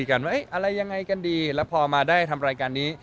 กันว่าอะไรยังไงกันดีแล้วพอมาได้ทำรายการนี้